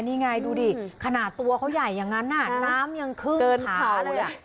นี่ไงดูดิขนาดตัวเขาใหญ่อย่างนั้นน้ำยังขึ้นขาเลยอ่ะ